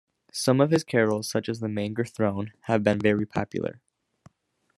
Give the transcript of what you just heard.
Some of his carols, such as "The Manger Throne", have been very popular.